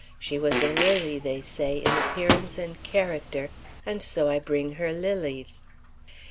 She was a lily, they say, in appearance and character, and so I bring her lilies."